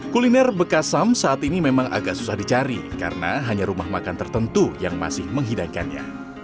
kuliner bekasam saat ini memang agak susah dicari karena hanya rumah makan tertentu yang masih menghidangkannya